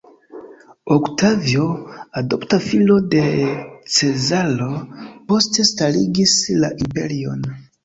Oktavio, adoptita filo de Cezaro, poste starigis la imperion.